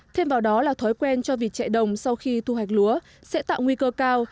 thêm vào đó là thói quen cho vịt chạy đồng sau khi thu hoạch lúa sẽ tạo nguy cơ cao